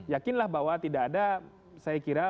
yakinlah bahwa tidak ada saya kira